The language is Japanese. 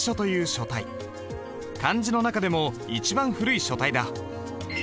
漢字の中でも一番古い書体だ。